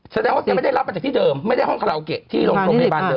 แสดงว่ายังไม่ได้รับมาจากที่เดิมไม่ได้ห้องคาราโอเกะที่โรงพยาบาลเดิม